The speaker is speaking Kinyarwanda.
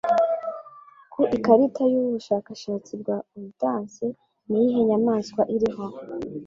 Ku ikarita yubushakashatsi bwa Ordance niyihe nyamaswa iriho